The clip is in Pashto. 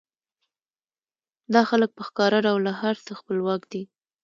دا خلک په ښکاره ډول له هر څه خپلواک دي